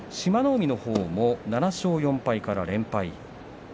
海のほうも７勝４敗から連敗。